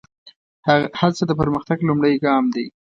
هڅه د پرمختګ لومړی ګام دی.